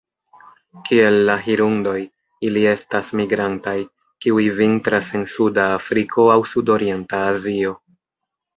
Kiel la hirundoj, ili estas migrantaj, kiuj vintras en suda Afriko aŭ sudorienta Azio.